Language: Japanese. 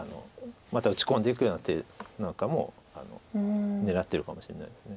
また打ち込んでいくような手なんかも狙ってるかもしれないです